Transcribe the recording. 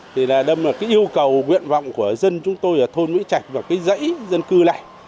thì là đâm là cái yêu cầu nguyện vọng của dân chúng tôi ở thôn mỹ trạch và cái dãy dân cư này